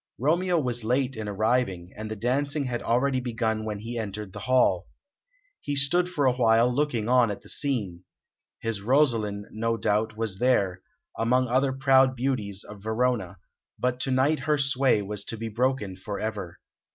Romeo was late in arriving, and the dancing had already begun when he entered the hall. He stood for a while looking on at the scene. His Rosaline, no doubt, was there, among other proud beauties of Verona, but to night her sway was to be broken for ever.